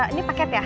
ini paket ya